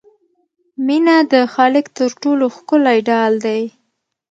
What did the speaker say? مینه د خالق تر ټولو ښکلی ډال دی.